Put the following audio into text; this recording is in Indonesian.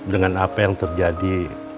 dengan apa yang terjadi